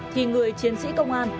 thì người chiến sĩ công an